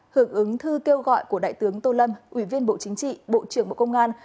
hưởng ứng thư kêu gọi của đại tướng tô lâm ủy viên bộ chính trị bộ trưởng bộ công an